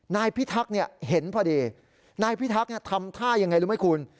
นายพิทักษ์เห็นพอดีนายพิทักษ์ทำท่ายังไงรู้ไหมคุณ